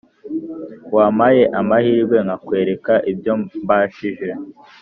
Wampaye amahirwe nkakwereka ibyo mbashije